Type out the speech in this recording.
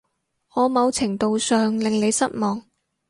我某程度上令你失望